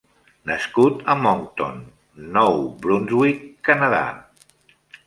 Nascut a Moncton, Nou Brunswick, Canadà.